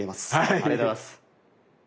ありがとうございます。